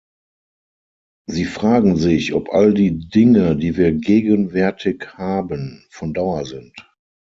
Sie fragen sich, ob all die Dinge, die wir gegenwärtig haben, von Dauer sind.